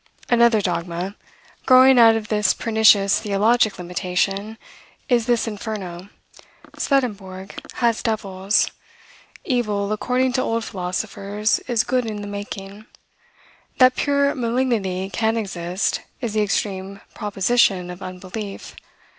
Another dogma, growing out of this pernicious theologic limitation, is this Inferno. Swedenborg has devils. Evil, according to old philosophers, is good in the making. That pure malignity can exist, is the extreme proposition of unbelief.